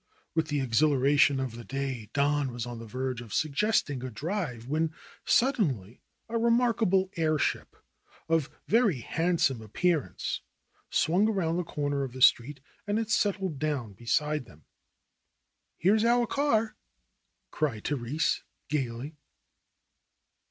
With the ex hilaration of the day Don was on the verge of suggesting a drive when suddenly a remarkable airship of very hand some appearance swung around the corner of the street and it settled down beside them. ^^Here's our car cried Therese gaily.